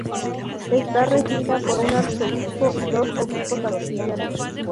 Está regida por un arzobispo y dos obispos auxiliares.